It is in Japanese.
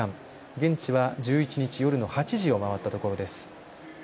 現地は１１日、夜の８時を回ったところです。